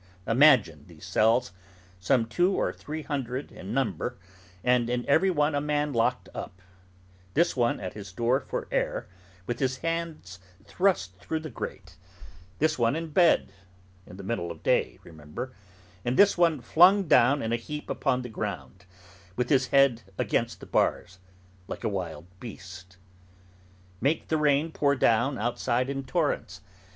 Imagine these cells, some two or three hundred in number, and in every one a man locked up; this one at his door for air, with his hands thrust through the grate; this one in bed (in the middle of the day, remember); and this one flung down in a heap upon the ground, with his head against the bars, like a wild beast. Make the rain pour down, outside, in torrents.